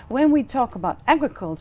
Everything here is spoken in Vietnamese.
chúng tôi có thể cố gắng